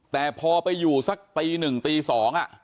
แต่พอไปอยู่สักตีหนึ่งตี๒